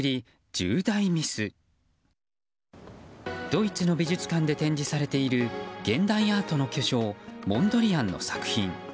ドイツの美術館で展示されている現代アートの巨匠モンドリアンの作品。